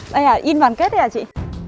đây à in bàn kết đây à chị